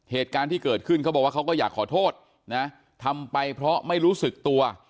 เหตุการณ์ที่เกิดขึ้นเขาบอกว่าเขาก็อยากขอโทษนะทำไปเพราะไม่รู้สึกตัว